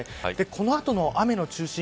この後の雨の中心